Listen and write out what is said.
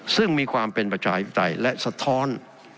ซึ่งมีความเป็นประชาธิปไตยและสะท้อน